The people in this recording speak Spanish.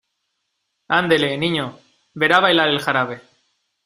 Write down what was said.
andele, niño , verá bailar el jarabe.